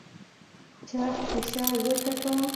چاغ په شا وټپوه.